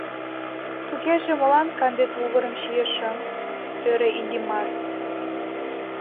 — Тугеже молан канде тувырым чийышым? — ӧрӧ Иллимар.